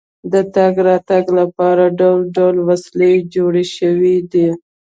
د تګ راتګ لپاره ډول ډول وسیلې جوړې شوې دي.